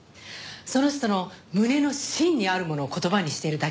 その人の胸の心にあるものを言葉にしているだけなんです。